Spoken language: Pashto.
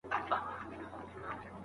ایا ږیره لرونکی سړی ډوډۍ او مڼه راوړي؟